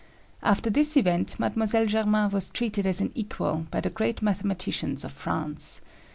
After this event Mlle. Germain was treated as an equal by the great mathematicians of France.